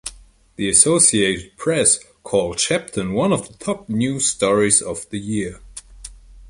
The Associated Press called Sheppton one of the top news stories of the year.